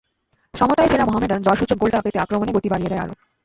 সমতায় ফেরা মোহামেডান জয়সূচক গোলটা পেতে আক্রমণে গতি বাড়িয়ে দেয় আরও।